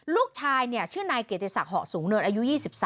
ลูกชายชื่อนายเกียรติศักดิ์เหาะสูงเนินอายุ๒๓